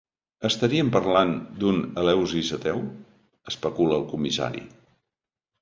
Estaríem parlant d'un Eleusis ateu? —especula el comissari.